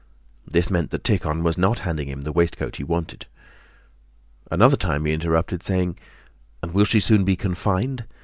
This meant that Tíkhon was not handing him the waistcoat he wanted. Another time he interrupted, saying: "And will she soon be confined?"